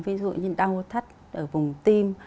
ví dụ như đau thắt ở vùng tim